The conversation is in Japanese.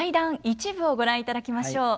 一部をご覧いただきましょう。